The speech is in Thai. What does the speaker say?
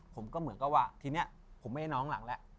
ผมก็เหมือนกับว่าทีนี้ผมไม่ให้น้องหลังแล้ว